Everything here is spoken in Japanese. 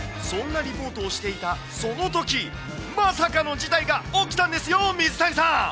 そんなリポートをしていたそのとき、まさかの事態が起きたんですよ、水谷さん。